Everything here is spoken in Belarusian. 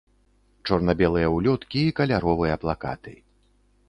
Чорна-белыя ўлёткі і каляровыя плакаты.